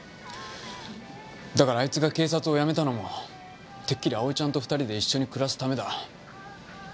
だからあいつが警察を辞めたのもてっきり蒼ちゃんと２人で一緒に暮らすためだ。